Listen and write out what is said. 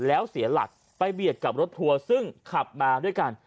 แล้วเสียหลักไปเบียดกับรถทัวร์ซึ่งขับมาด้วยกัน